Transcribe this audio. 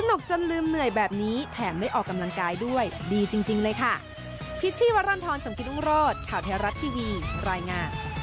กจนลืมเหนื่อยแบบนี้แถมไม่ออกกำลังกายด้วยดีจริงเลยค่ะ